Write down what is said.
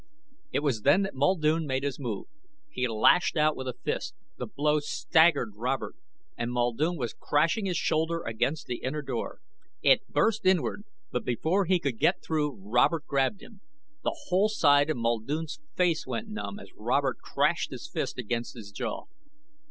It was then Muldoon made his move. He lashed out with a fist. The blow staggered Robert. And Muldoon was crashing his shoulder against the inner door. It burst inward, but before he could get through Robert grabbed him. The whole side of Muldoon's face went numb as Robert crashed his fist against his jaw.